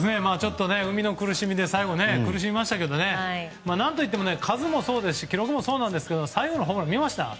生みの苦しみで最後、苦しみましたけど何といっても、数もそうですし記録もそうなんですけど最後のホームラン見ました？